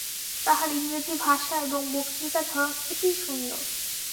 তাঁহার ইংরেজী ভাষা এবং বক্তৃতার ধরন অতি সুন্দর।